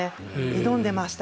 挑んでいました。